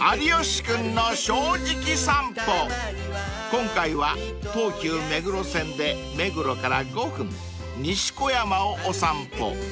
［今回は東急目黒線で目黒から５分西小山をお散歩］